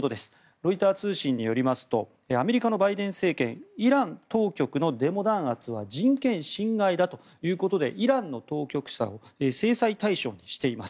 ロイター通信によりますとアメリカのバイデン政権イラン当局のデモ弾圧は人権侵害だということでイランの当局者を制裁対象にしています。